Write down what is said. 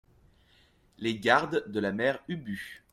Les Gardes de la Mère Ubu.